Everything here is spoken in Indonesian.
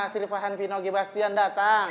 si rifahan pinogi bastian datang